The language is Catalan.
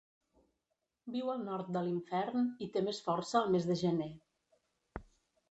Viu al nord de l'infern i té més força al mes de gener.